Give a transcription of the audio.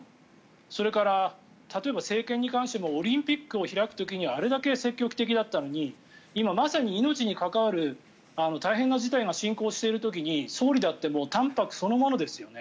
それから例えば、政権に関してもオリンピックを開く時にはあれだけ積極的だったのに今、まさに命に関わる大変な事態が進行している時に総理だって淡泊そのものですよね。